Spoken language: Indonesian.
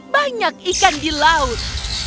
banyak ikan di laut